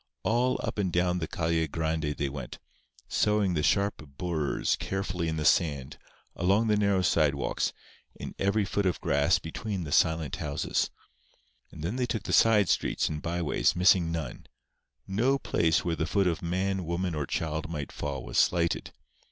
All up and down the Calle Grande they went, sowing the sharp burrs carefully in the sand, along the narrow sidewalks, in every foot of grass between the silent houses. And then they took the side streets and by ways, missing none. No place where the foot of man, woman or child might fall was slighted.